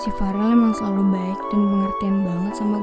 si faril emang selalu baik dan mengertiin banget sama gue